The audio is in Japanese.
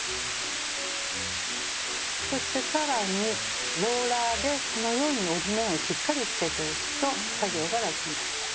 そして更にローラーでこのように折り目をしっかりつけておくと作業が楽になります。